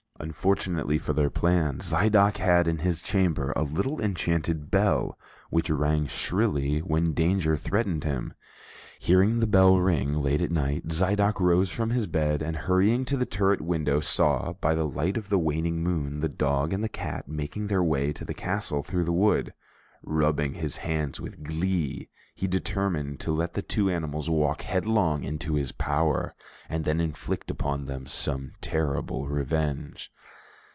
Unfortunately for their plan, Zidoc had in his chamber a little enchanted bell which rang shrilly when danger threatened him. Hearing the bell ring late at night, Zidoc rose from his bed, and hurrying to the turret window, saw, by the light of the waning moon, the dog and the cat making their way to the castle through the wood. Rubbing his hands with glee, he determined to let the two animals walk headlong into his power, and then inflict upon them some terrible revenge.